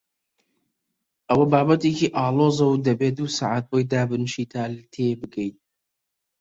ئەوە بابەتێکی ئاڵۆزە و دەبێ دوو سەعات بۆی دابنیشی تا تێی بگەی.